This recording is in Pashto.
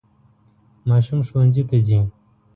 ماشوم ښوونځي ته ځي.